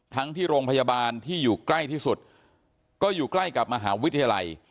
ทั้งที่โรงพยาบาลที่อยู่ใกล้ที่สุดก็อยู่ใกล้กับมหาวิทยาลัย